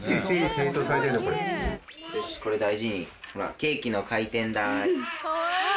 ケーキの回転台？